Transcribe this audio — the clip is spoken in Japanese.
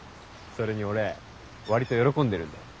それに俺割と喜んでるんで。